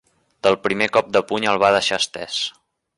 Del primer cop de puny el va deixar estès.